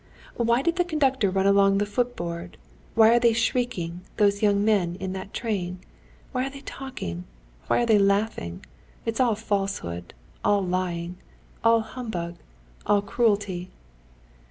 Why did the conductor run along the footboard, why are they shrieking, those young men in that train? why are they talking, why are they laughing? It's all falsehood, all lying, all humbug, all cruelty!..."